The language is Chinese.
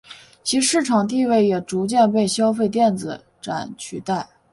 其市场地位也逐渐被消费电子展取代。